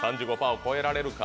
３５％を超えられるか？